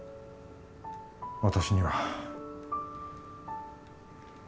私には